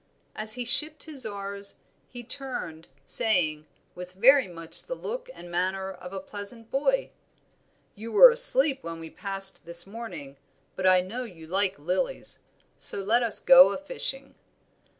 As he shipped his oars he turned, saying, with very much the look and manner of a pleasant boy "You were asleep when we passed this morning; but I know you like lilies, so let us go a fishing."